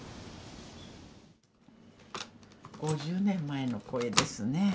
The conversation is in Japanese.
５０年前の声ですね